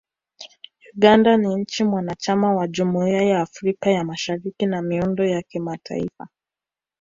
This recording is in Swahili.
Uganda ni nchi mwanachama wa Jumuiya ya Afrika ya Mashariki na miundo ya kimataifa